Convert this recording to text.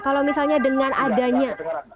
kalau misalnya dengan adanya